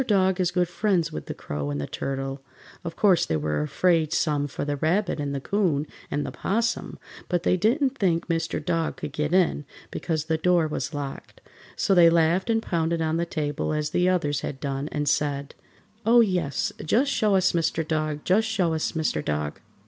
Dog is good friends with the Crow and the Turtle. Of course they were afraid some for the Rabbit and the 'Coon and the 'Possum, but they didn't think Mr. Dog could get in, because the door was locked, so they laughed and pounded on the table as the others had done and said: "Oh, yes, just show us Mr. Dog! Just show us Mr. Dog!"